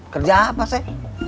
kerja apa sepp